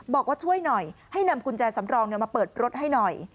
บอกว่าช่วยหน่อยให้นำกุญแจสำรองมาเปิดรถให้หน่อย